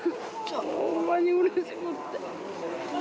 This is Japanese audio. ホンマにうれしくって。